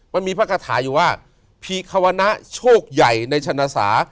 มันมีภาคฐานอยู่ว่าภีร์ควรณะโชคใหญ่ในชนะสา